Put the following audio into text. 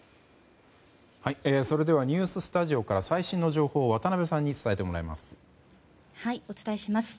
それではニューススタジオから最新の情報を渡辺さんに伝えてもらいます。